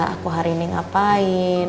aku hari ini ngapain